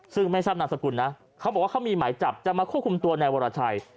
ซึ่งไม่ทราบนามสกุลนะเขาบอกว่าเขามีหมายจับจะมาควบคุมตัวนายวรชัย